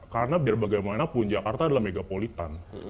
karena biar bagaimanapun jakarta adalah megapolitan